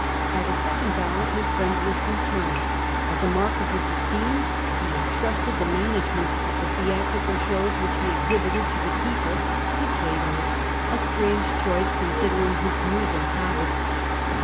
At a second ballot his friend was returned; as a mark of his esteem he entrusted the management of the theatrical shows which he exhibited to the people to Cato — a strange choice considering his views and habits.